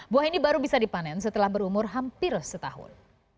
buah ini baru bisa dipanen setelah berumur hampir setahun